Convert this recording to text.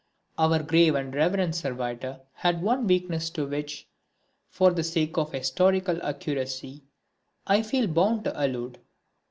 Our grave and reverend servitor had one weakness to which, for the sake of historical accuracy, I feel bound to allude.